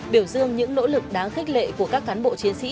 biểu dương những nỗ lực đáng khích lệ của các cán bộ chiến sĩ